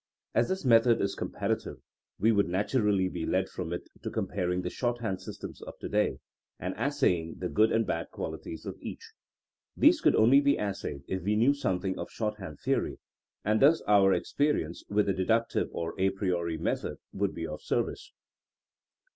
As this method is comparative we would naturally be led from it to comparing the THINKINO AS A SCIENCE 43 shorthand systems of to day, and assaying the good and bad qualities of each. These could only be assayed if we knew something of short hand theory, and thus our experience with the deductive or a priori method would be of service.